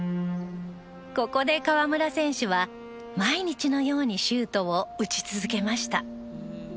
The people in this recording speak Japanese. ここで河村選手は毎日のようにシュートを打ち続けました。